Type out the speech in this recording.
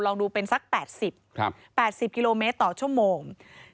ลองดูเป็นสัก๘๐๘๐กิโลเมตรต่อชั่วโมง